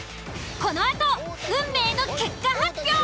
このあと運命の結果発表。